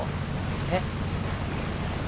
えっ？